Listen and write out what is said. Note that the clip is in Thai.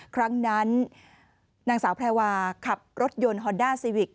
ครั้งนั้นนางสาวแพรวาขับรถยนต์ฮอนด้าซีวิก